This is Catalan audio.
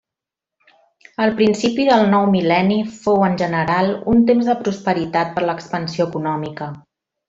El principi del nou mil·lenni fou, en general, un temps de prosperitat per l'expansió econòmica.